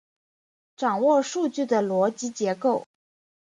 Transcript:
掌握数据的逻辑结构